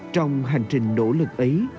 trong hành trình nỗ lực ấy